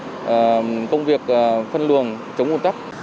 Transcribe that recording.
làm công việc phân luồng chống ủn tắc